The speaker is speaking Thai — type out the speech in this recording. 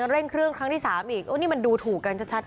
เร่งเครื่องครั้งที่๓อีกโอ้นี่มันดูถูกกันชัด